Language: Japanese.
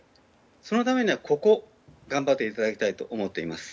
そのためにはここを頑張っていただきたいと思っています。